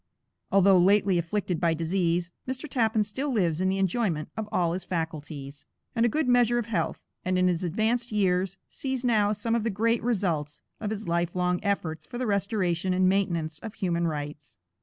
Although lately afflicted by disease, Mr. Tappan still lives in the enjoyment of all his faculties, and a good measure of health, and in his advanced years, sees now some of the great results of his life long efforts for the restoration and maintenance of human rights.